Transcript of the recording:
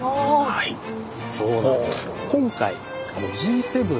はいそうなんです。